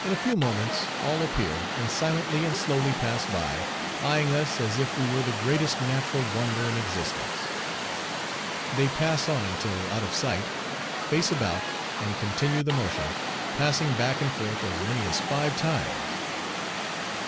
In a few moments all appear, and silently and slowly pass by, eyeing us as if we were the greatest natural wonder in existence. They pass on till out of sight, face about and "continue the motion," passing back and forth as many as five times.